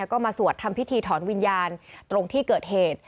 ก็มาสวดทำพิธีถอนวิญญาณตรงที่เกิดเหตุ